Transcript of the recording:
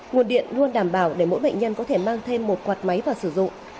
nguồn điện luôn đảm bảo để mỗi bệnh nhân có thể mang thêm một quạt máy vào sử dụng